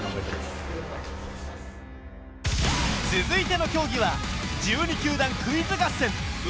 続いての競技は１２球団クイズ合戦ＵＬＴＲＡ